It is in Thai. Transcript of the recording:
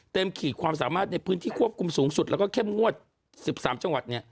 ขีดความสามารถในพื้นที่ควบคุมสูงสุดแล้วก็เข้มงวด๑๓จังหวัด